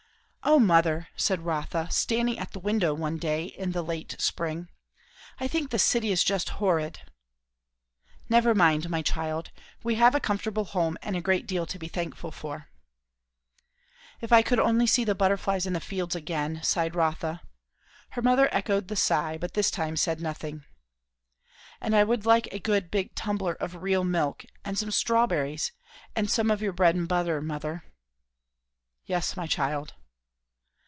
"O mother," said Rotha, standing at the window one day in the late spring, "I think the city is just horrid!" "Never mind, my child. We have a comfortable home, and a great deal to be thankful for." "If I could only see the butterflies in the fields again!" sighed Rotha. Her mother echoed the sigh, but this time said nothing. "And I would like a good big tumbler of real milk, and some strawberries, and some of your bread and butter, mother." "Yes, my child."